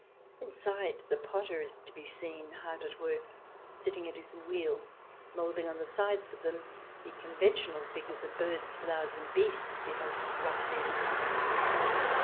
Inside, the potter is to be seen hard at work, sitting at his wheel, moulding on the sides of them the conven tional figures of birds, flowers, and beasts he has roughly designed.